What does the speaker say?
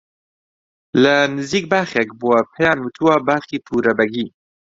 لە نزیک باخێک بووە پێیان وتووە باخی پوورە بەگی